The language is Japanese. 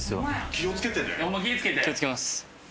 気をつけます。